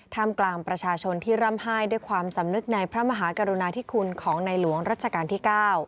กลางประชาชนที่ร่ำไห้ด้วยความสำนึกในพระมหากรุณาธิคุณของในหลวงรัชกาลที่๙